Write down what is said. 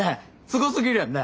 すごすぎるやんね。